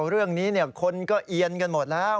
เรื่องนี้คนก็เอียนกันหมดแล้ว